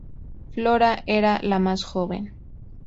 Flora era la más joven.